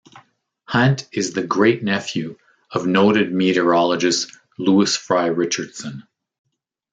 Hunt is the great-nephew of noted meteorologist Lewis Fry Richardson.